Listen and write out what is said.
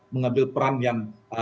mengambil peran yang